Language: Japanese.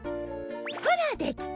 ほらできた！